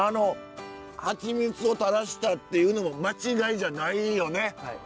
蜂蜜をたらしたっていうのも間違いじゃないよね。